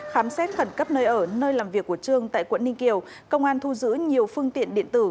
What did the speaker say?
khám xét khẩn cấp nơi ở nơi làm việc của trương tại quận ninh kiều công an thu giữ nhiều phương tiện điện tử